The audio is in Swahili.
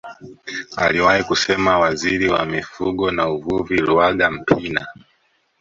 Aliwahi kusema waziri wa mifugo na uvuvi Luaga Mpina